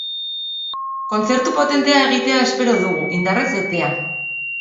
Kontzertu potentea egitea espero dugu, indarrez betea.